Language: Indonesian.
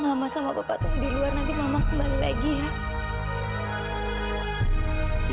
sama sama bapak tuh di luar nanti mama kembali lagi ya